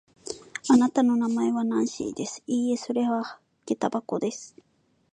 あなたの名前はナンシーです。いいえ、それはげた箱です。